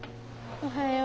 おはよう。